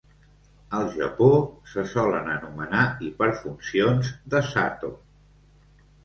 Al Japó, se solen anomenar hiperfuncions de Sato.